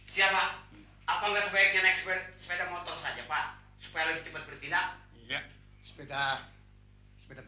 siap pak apa nggak sebaiknya naik sepeda motor saja pak supaya lebih cepat bertindak